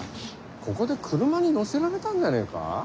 ここで車に乗せられたんじゃねえか？